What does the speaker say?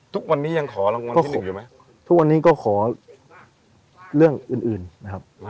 ทุกวันนี้ยังขอรางวัลที่๖อยู่ไหมทุกวันนี้ก็ขอเรื่องอื่นนะครับ